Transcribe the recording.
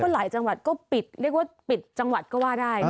หลายจังหวัดก็ปิดเรียกว่าปิดจังหวัดก็ว่าได้